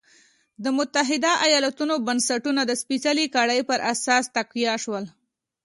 د متحده ایالتونو بنسټونه د سپېڅلې کړۍ پر اساس تقویه شول.